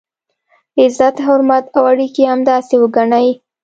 عزت، حرمت او اړیکي همداسې وګڼئ.